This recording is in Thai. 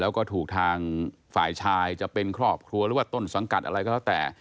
แล้วก็ถูกทางฝ่ายชายจะเป็นครอบครัวหรือว่าต้นสังกัดอะไรก็แล้วแต่